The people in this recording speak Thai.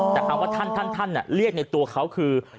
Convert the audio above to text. แต่คำว่าท่านท่านท่านเรียกในตัวเขาคือ